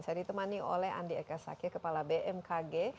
saya ditemani oleh andi eka sakya kepala bmkg